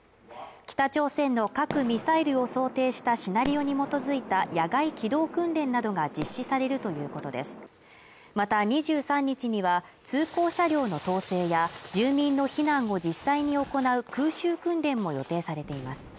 北朝鮮の核ミサイルを想定したシナリオに基づいた野外機動訓練などが実施されるということですまた２３日には通行車両の統制や住民の避難を実際に行う空襲訓練も予定されています